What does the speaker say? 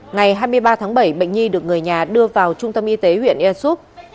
ngày hai mươi ba tháng bảy bệnh nhi được người nhà đưa vào trung tâm y tế huyện yersup